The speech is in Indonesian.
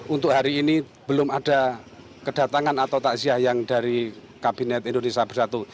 untuk hari ini belum ada kedatangan atau takziah yang dari kabinet indonesia bersatu